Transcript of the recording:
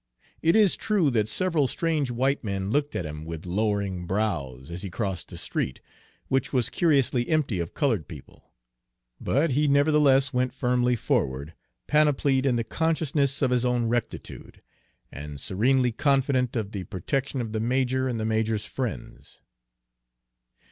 It is true that several strange white men looked at him with lowering brows as he crossed the street, which was curiously empty of colored people; but he nevertheless went firmly forward, panoplied in the consciousness of his own rectitude, and serenely confident of the protection of the major and the major's friends.